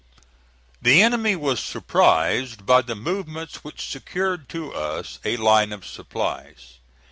The enemy was surprised by the movements which secured to us a line of supplies.